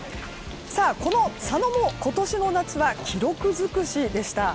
この佐野も今年の夏は記録尽くしでした。